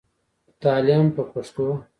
تعليم په پښتو.